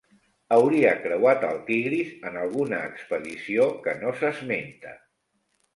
Hauria creuat el Tigris en alguna expedició que no s'esmenta.